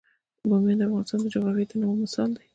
بامیان د افغانستان د جغرافیوي تنوع مثال دی.